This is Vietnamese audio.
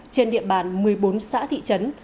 trên địa bàn một mươi bốn xã thị trấn